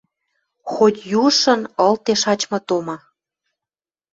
Хоть южшын ылде шачмы тома